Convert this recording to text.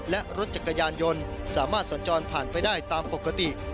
และรถจักรยานยนต์สามารถสัญจรผ่านไปได้ตามปกติ